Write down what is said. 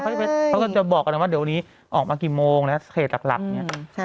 เขาก็จะบอกกันว่าเดี๋ยวนี้ออกมากี่โมงนะเขตหลักเนี่ย